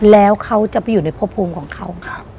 แล้วเขาจะไปอยู่ในพบภูมิของเขา